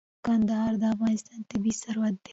کندهار د افغانستان طبعي ثروت دی.